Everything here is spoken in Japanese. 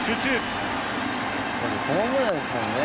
ここにホームランですもんね。